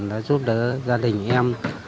đã giúp đỡ gia đình em